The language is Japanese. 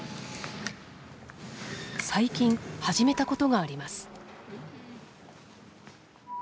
最近始めたことがあります。